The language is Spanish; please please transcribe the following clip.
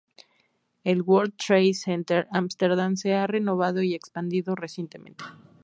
El World Trade Center Amsterdam se ha renovado y expandido recientemente.